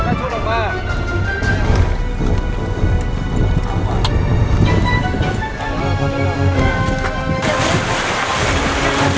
อันนี้ก็คือพูดมาแล้วโปรดนะครับวิทยาลัยพูดหมดแล้วนะครับ